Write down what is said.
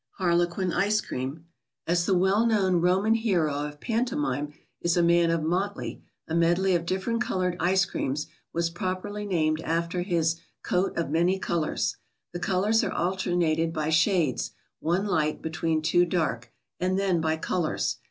HARLEQUIN ICE CREAM.—As the well known (Roman) hero of pantomime is a man of motley, a medley of different colored ice creams was properly named after his " coat of many colors ." The colors are alternated by shades—one light between two dark, and then by colors.